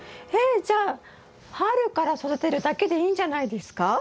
えっじゃあ春から育てるだけでいいんじゃないですか？